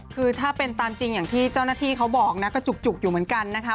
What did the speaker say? คือถ้าเป็นตามจริงอย่างที่เจ้าหน้าที่เขาบอกนะก็จุกอยู่เหมือนกันนะคะ